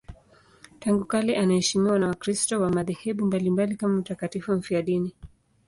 Tangu kale anaheshimiwa na Wakristo wa madhehebu mbalimbali kama mtakatifu mfiadini.